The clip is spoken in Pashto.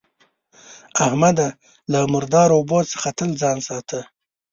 احمده! له مردارو اوبو څخه تل ځان ساته.